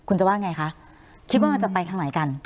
คุณจะว่าไงคะคิดว่ามันจะไปทางไหนกัน